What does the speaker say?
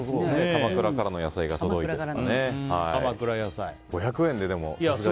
鎌倉からの野菜が届いてという。